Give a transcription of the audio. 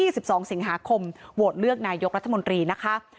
๒๒สิงหาคมโหวตเลือกนายกรัฐมนตรีนะคะ